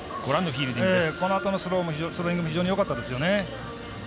このあとのスローイングも非常によかったです。